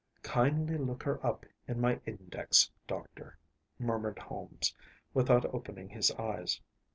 ‚ÄĚ “Kindly look her up in my index, Doctor,‚ÄĚ murmured Holmes without opening his eyes.